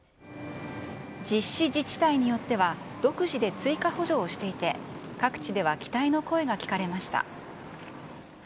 実施自治体によっては、独自で追加補助をしていて、各地では期待の声が聞かれました。